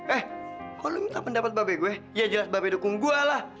eh kalo lu minta pendapat mbak be gue ya jelas mbak be dukung gue lah